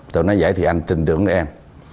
tôi nói vậy thì anh tin tưởng em